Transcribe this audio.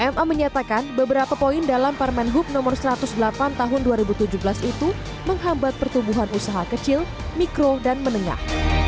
ma menyatakan beberapa poin dalam permen hub no satu ratus delapan tahun dua ribu tujuh belas itu menghambat pertumbuhan usaha kecil mikro dan menengah